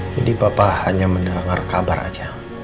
jadi papa hanya mendengar kabar aja